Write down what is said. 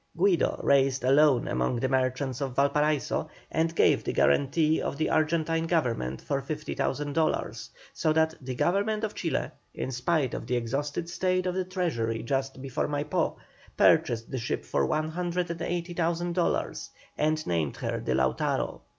Guido raised a loan among the merchants of Valparaiso, and gave the guarantee of the Argentine Government for 50,000 dollars, so that the Government of Chile, in spite of the exhausted state of the treasury just before Maipó, purchased the ship for 180,000 dollars, and named her the Lautaro.